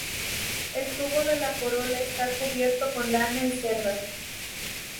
El tubo de la corola está cubierto con lana y cerdas.